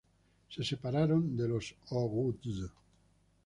Se separaron de los oghuz.